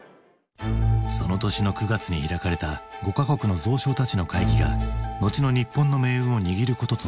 その年の９月に開かれた５か国の蔵相たちの会議が後の日本の命運を握ることとなる。